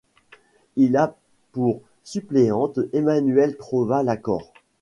Il a pour suppléante Emmanuelle Trova-Lacorre.